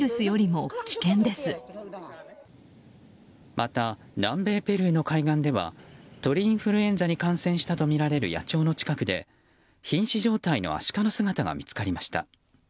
また、南米ペルーの海岸では鳥インフルエンザに感染したとみられる野鳥の近くで瀕死状態のアシカの姿が見つかりました。